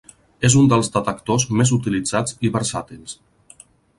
És un dels detectors més utilitzats i versàtils.